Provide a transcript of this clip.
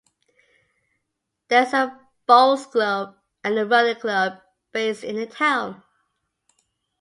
There is a Bowls Club and a Running Club based in the town.